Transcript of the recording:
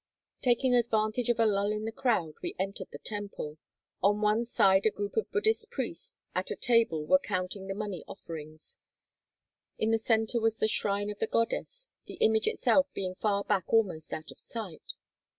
Taking advantage of a lull in the crowd, we entered the temple. On one side a group of Buddhist priests at a table were counting the money offerings. In the center was the shrine of the goddess, the image itself being far back almost out of sight.